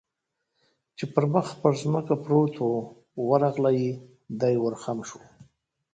چې پر مخ پر ځمکه پروت و، ورغلی، دی ور خم شو.